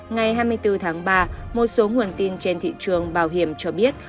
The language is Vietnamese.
ngày hai mươi bốn tháng ba một số nguồn tin trên thị trường bảo hiểm cho biết